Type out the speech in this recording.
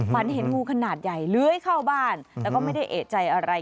ฝันเห็นงูขนาดใหญ่เลื้อยเข้าบ้านแล้วก็ไม่ได้เอกใจอะไร